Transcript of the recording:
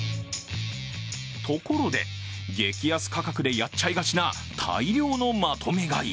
ところで、激安価格でやっちゃいがちな大量のまとめ買い。